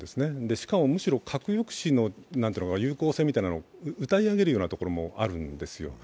しかも、むしろ核抑止の有効性をうたい上げるようなところもあるんですよ。